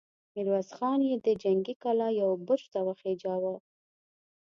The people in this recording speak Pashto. ميرويس خان يې د جنګي کلا يوه برج ته وخېژاوه!